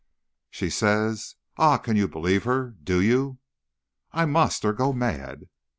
"'She says! Ah! can you believe her? do you?' "'I must or go mad.'